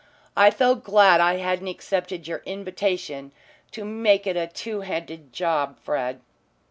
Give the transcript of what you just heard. I felt glad I hadn't accepted your invitation to make it a two handed job, Fred.